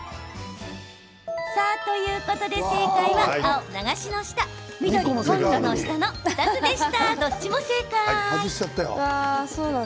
ということで正解は青・流しの下緑・コンロの下の２つでした。